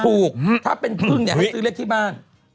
ถูกถ้าเป็นพึ่งเนี่ยให้ซื้อเลขที่บ้าน